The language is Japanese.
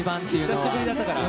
久しぶりだったからね。